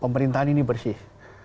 pemerintahan ini bersih